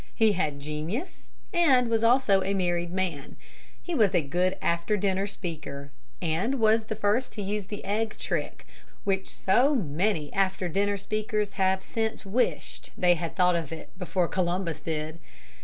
He had genius, and was also a married man. He was a good after dinner speaker, and was first to use the egg trick, which so many after dinner speakers have since wished they had thought of before Chris did.